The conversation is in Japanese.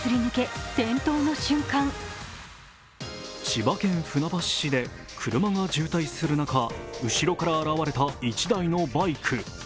千葉県船橋市で車が渋滞する中、後ろから現れた１台のバイク。